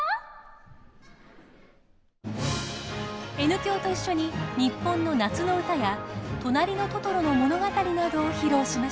Ｎ響と一緒に日本の夏の歌や「となりのトトロ」の物語などを披露しました。